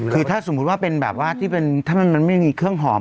คือถ้าสมมุติว่าเป็นแบบว่าที่เป็นถ้ามันไม่มีเครื่องหอม